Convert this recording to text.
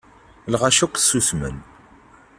Lɣaci akk susmen.